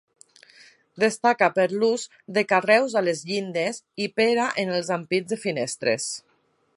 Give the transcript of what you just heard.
Destaca per l'ús de carreus a les llindes i pera en els ampits de finestres.